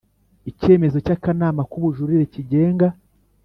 Icyemezo cy akanama k ubujurire kigenga